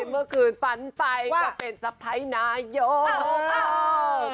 เมื่อคืนฝันไปก็เป็นสะพ้ายนายก